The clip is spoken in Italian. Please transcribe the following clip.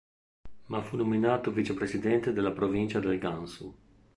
Ma fu nominato vicepresidente della provincia del Gansu.